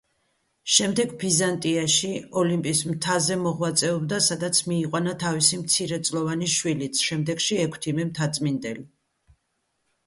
შემდეგ ბიზანტიაში, ოლიმპის მთაზე მოღვაწეობდა, სადაც მიიყვანა თავისი მცირეწლოვანი შვილიც, შემდეგში, ექვთიმე მთაწმიდელი.